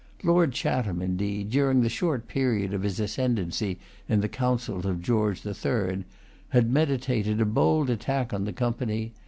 Lord Chatham, indeed, during the short period of his ascendency in the councils of George the Third, had meditated a bold attack on the Company.